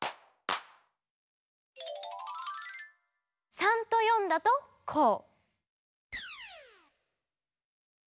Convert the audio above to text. ３と４だとこう。